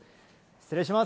失礼します。